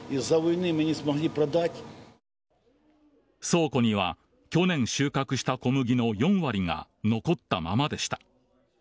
倉庫には去年収穫した小麦の４割が残ったままでした。